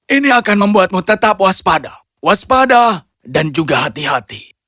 ini akan membuatmu tetap waspada waspada dan juga hati hati